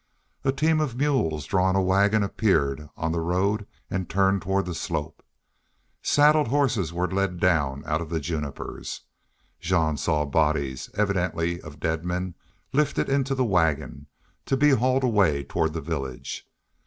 A team of mules, drawing a wagon, appeared on the road, and turned toward the slope. Saddled horses were led down out of the junipers. Jean saw bodies, evidently of dead men, lifted into the wagon, to be hauled away toward the village.